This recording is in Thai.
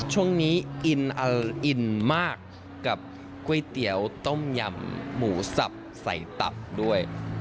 ช่วงนี้อินมากกับก๋วยเตี๋ยวต้มยำหมูสับใส่ตับด้วย